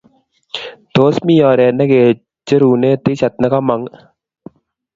tos mi oret nekecherune T-shirt nekomong